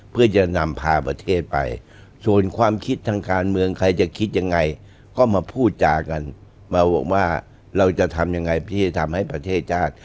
เพื่อจะนำพาประเทศไปส่วนความคิดทางการเมืองใครจะคิดยังไงก็มาพูดจากันมาบอกว่าเราจะทำยังไงที่จะทำให้ประเทศชาติ